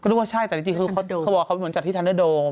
ก็รู้ว่าใช่แต่จริงเขาบอกว่ามันจัดที่ทันเดอร์โดม